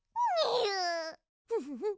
フフフ。